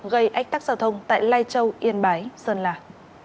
gây ách tắc giao thông tại lai châu yên bái sơn lạc